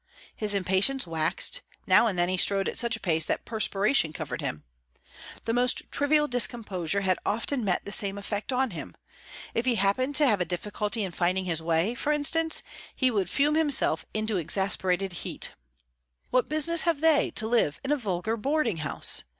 His impatience waxed; now and then he strode at such a pace that perspiration covered him. The most trivial discomposure had often much the same effect on him; if he happened to have a difficulty in finding his way, for instance, he would fume himself into exasperated heat. "What business have they to live in a vulgar boarding house?